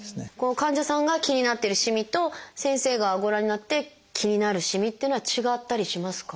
患者さんが気になってるしみと先生がご覧になって気になるしみっていうのは違ったりしますか？